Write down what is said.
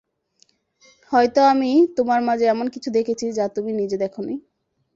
হয়তো আমি তোমার মাঝে এমন কিছু দেখেছি, যা তুমি নিজে দেখোনি।